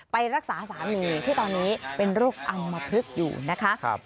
ไปรักษาสามีที่ตอนนี้เป็นลูกอังมพฤกษ์อยู่นะคะครับ